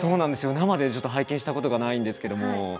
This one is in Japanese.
生でちょっと拝見したことがないんですけども。